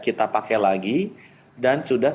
kita pakai lagi dan sudah